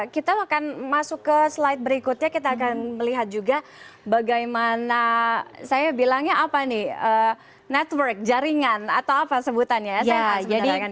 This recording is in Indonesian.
kita akan masuk ke slide berikutnya kita akan melihat juga bagaimana saya bilangnya apa nih network jaringan atau apa sebutannya